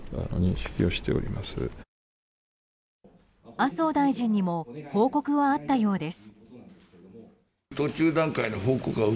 麻生大臣にも報告はあったようです。